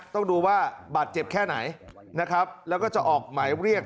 ต้องดูว่าบาดเจ็บแค่ไหนนะครับแล้วก็จะออกหมายเรียก